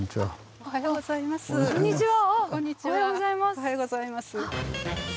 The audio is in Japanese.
おはようございます。